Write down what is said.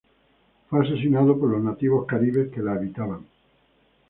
Fue asesinado por los nativos caribes que la habitaban.